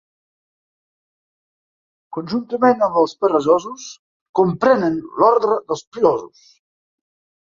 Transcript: Conjuntament amb els peresosos, comprenen l'ordre dels pilosos.